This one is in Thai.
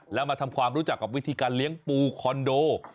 แล้วมาทำความรู้จักกับวิธีการเลี้ยงปูคอนโด